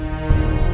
kayanya temen mache